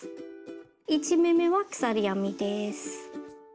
１目めは鎖編みです。